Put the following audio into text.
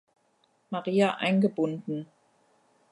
Maria" eingebunden.